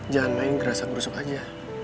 jangan main gerasa gersuk aja